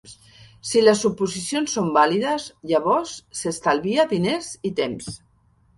Si les suposicions són vàlides, llavors s'estalvia diners i temps.